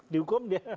di hukum dia